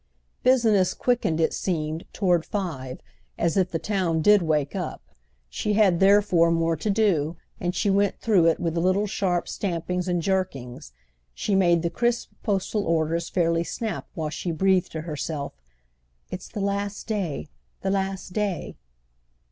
Business quickened, it seemed, toward five, as if the town did wake up; she had therefore more to do, and she went through it with little sharp stampings and jerkings: she made the crisp postal orders fairly snap while she breathed to herself "It's the last day—the last day!"